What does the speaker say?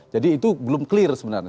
jadi itu belum clear sebenarnya